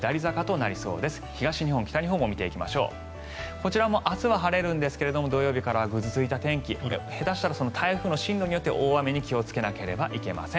こちらも明日は晴れますが土曜日からぐずついた天気台風の進路によっては大雨に気をつけなければいけません。